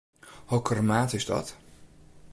Hokker maat is dat?